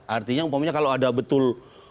artinya kalau ada betul